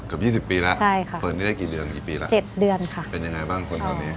เกือบ๒๐ปีแล้วเปิดได้กี่ปีแล้วอะเป็นยังไงบ้างทีวันนี้